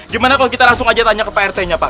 gimana kalau kita langsung aja tanya ke pak rt nya pak